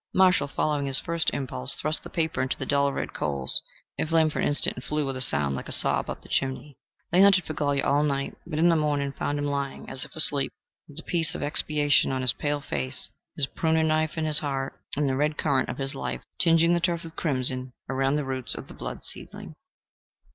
Marshall, following his first impulse, thrust the paper into the dull red coals. It flamed for an instant, and flew with a sound like a sob up the chimney. They hunted for Golyer all night, but in the morning found him lying as if asleep, with the peace of expiation on his pale face, his pruning knife in his, heart, and the red current of his life tinging the turf with crimson around the roots of the Blood Seedling.